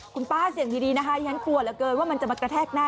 คุณป้าเสี่ยงดีนะคะที่ฉันกลัวเหลือเกินว่ามันจะมากระแทกหน้า